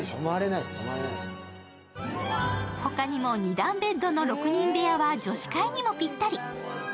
他にも２段ベッドの６人部屋は女子会にもぴったり。